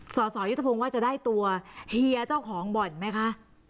สสยุทธพงศ์ว่าจะได้ตัวเฮียเจ้าของบ่อนไหมคะ